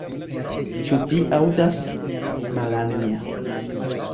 Ĉu vi aŭdas, Malanja.